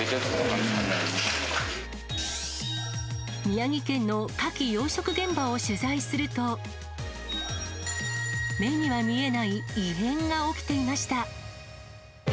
宮城県のカキ養殖現場を取材すると、目には見えない異変が起きていました。